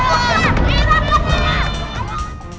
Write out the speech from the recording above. kalau gitu kita hitung sama sama ya